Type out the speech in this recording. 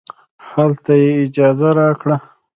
هلته یې اجازه راکړه.